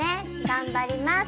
頑張ります。